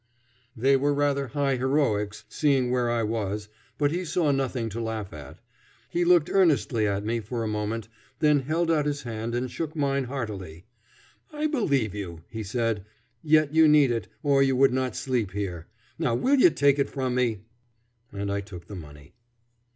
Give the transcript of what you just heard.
They were rather high heroics, seeing where I was, but he saw nothing to laugh at. He looked earnestly at me for a moment, then held out his hand and shook mine heartily. "I believe you," he said; "yet you need it, or you would not sleep here. Now will you take it from me?" And I took the money.